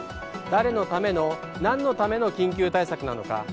誰のための、何のための緊急対策なのか。